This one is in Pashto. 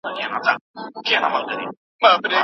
که چا وويل کاشکي شراب حلال وای، يا زنا روا وای کافر سو